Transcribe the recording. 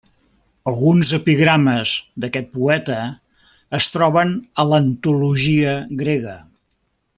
Alguns epigrames d'aquest poeta es troben a l'antologia grega.